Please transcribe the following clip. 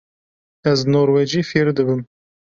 Ez norwecî fêr dibim.